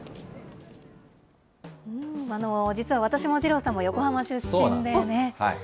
実は私も二郎さんも横浜出身でね。